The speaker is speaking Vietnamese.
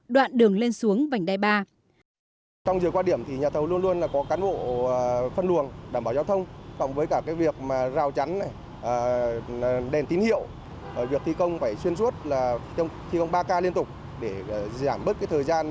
đoạn đường lên xuống vành đai ba